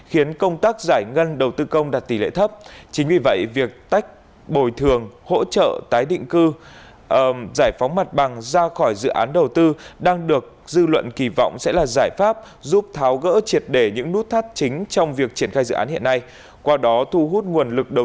khiến ít nhất sáu người thiệt mạng và chín người khác bị thương